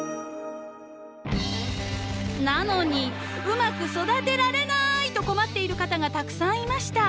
なのに「うまく育てられない！」と困っている方がたくさんいました。